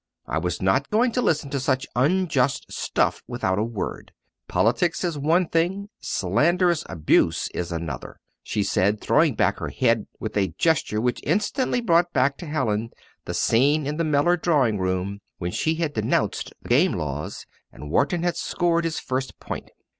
"I was not going to listen to such unjust stuff without a word. Politics is one thing slanderous abuse is another!" she said, throwing back her head with a gesture which instantly brought back to Hallin the scene in the Mellor drawing room, when she had denounced the game laws and Wharton had scored his first point.